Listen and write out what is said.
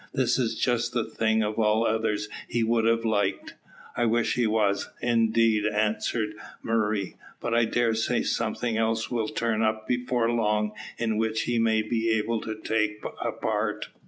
This is just the thing of all others he would have liked." "I wish he was, indeed," answered Murray. "But I dare say something else will turn up before long in which he may be able to take a part."